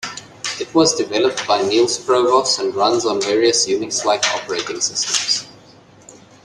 It was developed by Niels Provos and runs on various Unix-like operating systems.